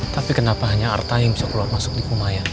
tapi kenapa hanya artaya bisa keluar masuk di kumaya